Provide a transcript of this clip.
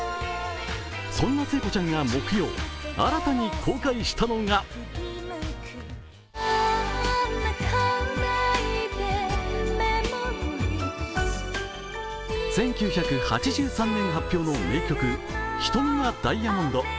そんな聖子ちゃんが木曜、新たに公開したのが１９８３年発表の名曲、「瞳はダイアモンド」。